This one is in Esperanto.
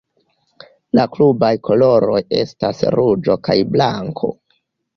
La klubaj koloroj estas ruĝo kaj blanko.